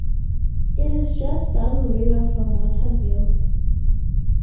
It is just downriver from Waterville.